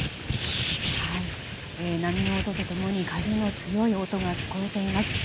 波の音と共に風の強い音が聞こえています。